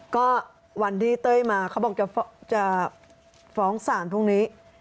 ก็วันที่เต้ยมาเขาบอกจะฟ้องศาลพรุ่งนี้